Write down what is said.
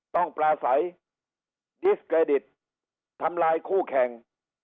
ปลาใสดิสเครดิตทำลายคู่แข่ง